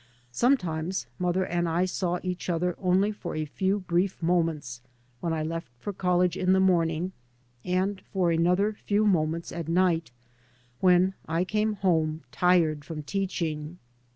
Sometimes mother and I saw each other only for a few brief moments when I left for college In the morning, and for another few moments at night when I came home, tired from teaching.